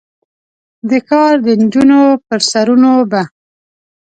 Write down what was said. د ښار د نجونو پر سرونو به ،